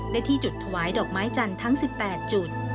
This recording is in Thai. ได้ที่จุดถวายดอกไม้จันตร์ทั้ง๑๘สถานี